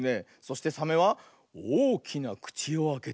そしてサメはおおきなくちをあけておよぐ。